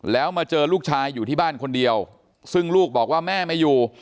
แล้วมาเจอลูกชายอยู่ที่บ้านคนเดียวซึ่งลูกบอกว่าแม่ไม่อยู่